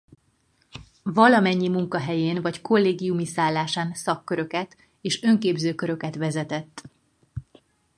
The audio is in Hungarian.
Valamennyi munkahelyén vagy kollégiumi szállásán szakköröket és önképzőköröket vezetett.